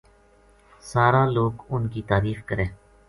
سارا لوک اُ ن کی تعریف کرے